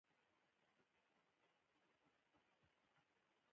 د دې وېښتان ډېر ښکلي او نرم وو، د هغې بوی مې خوښ و.